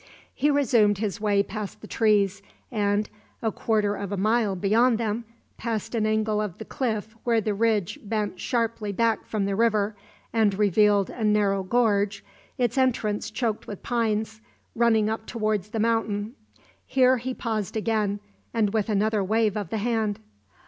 He resumed his way past the trees, and a quarter of a mile beyond them past an angle of the cliff where the ridge bent sharply back from the river and revealed a narrow gorge, its entrance choked with pines, running up towards the mountain. Here he paused again, and with another wave of the hand.